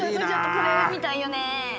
これ見たいよね。